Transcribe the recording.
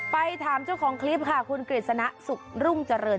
ไปถามเจ้าของคลิปค่ะคุณกฤษณะสุขรุ่งเจริญ